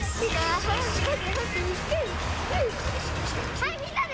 はい、みんなで！